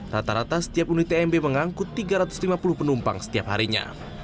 rata rata setiap unit tmb mengangkut tiga ratus lima puluh penumpang setiap harinya